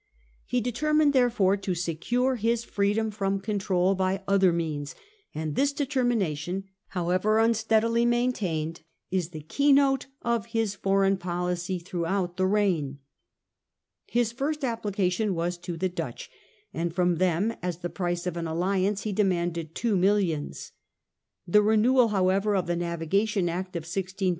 He determined therefore to secure his freedom from control by other means, and this determination, however un steadily maintained, is the keynote of his foreign policy throughout the reign. His first application was to the Dutch ; and from them, as the price of an alliance, he demanded two He applies m ^^ ons The renewal, however, of the Navi jo tch S a ti° n Act of 1651 (see p.